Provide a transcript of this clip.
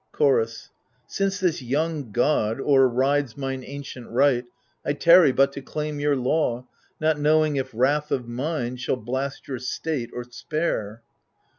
Chorus Since this young god overrides mine ancient right, I tarry but to claim your law, not knowing If wrath of mine shall blast your state or spare.